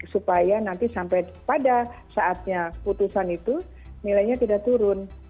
supaya nanti sampai pada saatnya putusan itu nilainya tidak turun